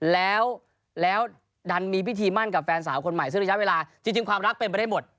แล้วดันมีพิธีมั่นกับแฟนสาวคนใหม่ที่จนความรักเป็นมาได้หมด